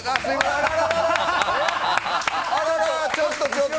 あらら、ちょっと、ちょっと。